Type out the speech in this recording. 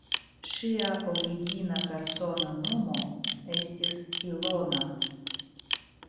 Ŝia origina persona nomo estis "Ilona".